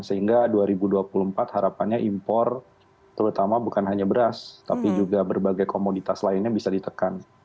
sehingga dua ribu dua puluh empat harapannya impor terutama bukan hanya beras tapi juga berbagai komoditas lainnya bisa ditekan